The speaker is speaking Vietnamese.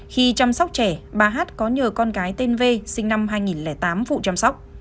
khi chăm sóc trẻ bà hát có nhờ con gái tên v sinh năm hai nghìn tám phụ chăm sóc